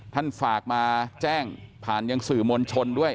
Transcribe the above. ท่านฝากมาแจ้งผ่านยังสื่อมวลชนด้วย